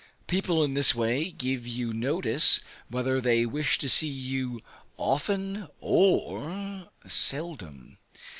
People in this way give you notice whether they wish to see you often or seldom.